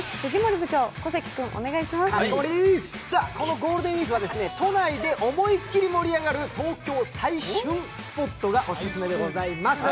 ゴールデンウイークは都内で思いっきり盛り上がる東京最旬スポットがオススメでございます。